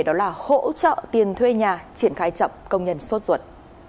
đó là hỗ trợ tiền thuê nhà triển khai chậm công nhân sốt ruột